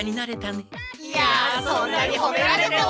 いやそんなにほめられても。